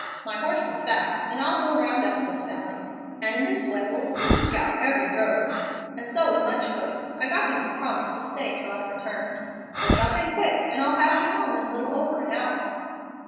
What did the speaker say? My horse is fast, and I'll go round up this valley, and in this way we'll soon scour every road;' and so with much coaxing I got him to promise to stay till I returned. So jump in quick, and I'll have you home in little over an hour."